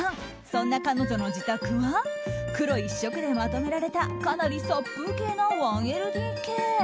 そんな彼女の自宅は黒一色でまとめられたかなり殺風景な１ＬＤＫ。